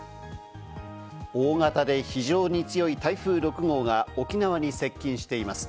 大型で非常に強い台風６号が沖縄に接近しています。